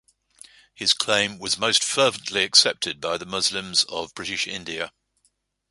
His claim was most fervently accepted by the Muslims of British India.